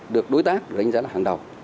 được đối tác được đánh giá là hàng đầu